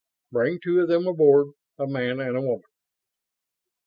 "Bring two of them aboard. A man and a woman."